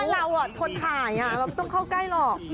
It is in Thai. ไม่เหล่าอ่ะทนถ่ายอ่ะเราไม่ต้องเข้าใกล้หรอก